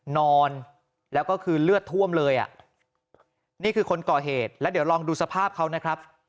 นอนแล้วก็คือเลือดท่วมเลยอ่ะนี่คือคนก่อเหตุแล้วเดี๋ยวลองดูสภาพเขานะครับ